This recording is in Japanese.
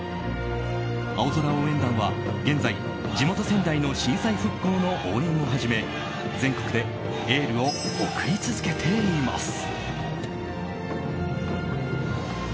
青空応援団は現在、地元・仙台の震災復興の応援をはじめ全国でエールを送り続けています。